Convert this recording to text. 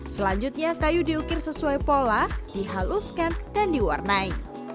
selanjutnya kayu diukir sesuai pola dihaluskan dan diwarnai